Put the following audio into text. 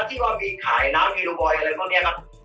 ที่ว่ามีขายน้ำมีโลบอยอะไรพวกนี้ครับ